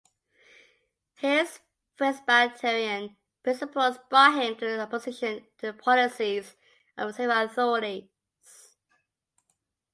His Presbyterian principles brought him into opposition to the policies of the civil authorities.